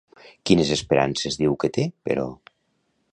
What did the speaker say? Quines esperances diu que té, però?